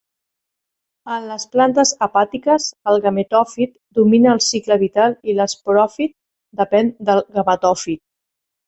En les plantes hepàtiques, el gametòfit domina el cicle vital i l"esporòfit depèn del gametòfit.